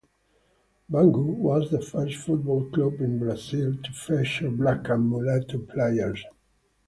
Bangu was the first football club in Brazil to feature black and mulatto players.